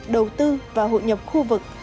đầu tư và hội nhập khu vực